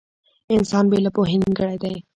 • انسان بې له پوهې نيمګړی دی.